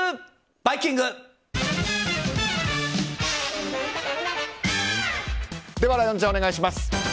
ライオンちゃん、お願いします。